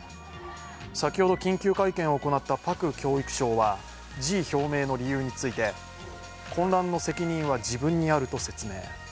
先ほど、緊急会見を行ったパク教育相は辞意表明の理由について混乱の責任は自分にあると説明。